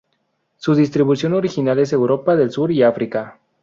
Su distribución original es Europa del Sur y África.